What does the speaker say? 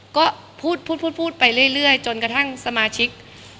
ก็พูดพูดไปเรื่อยจนกระทั่งสมาชิก